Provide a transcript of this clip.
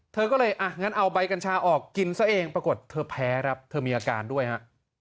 เธอก็เลยอ่ะงั้นเอาใบกัญชาออกกินซะเองปรากฏเธอแพ้ครับเธอมีอาการด้วยฮะ